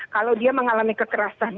kalau dia mengalami kekerasan